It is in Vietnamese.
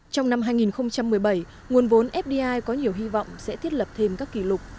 trong năm hai nghìn một mươi bảy nguồn vốn fdi có nhiều hy vọng sẽ thiết lập thêm các kỷ lục